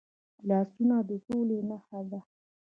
لاسونه د سولې نښه ده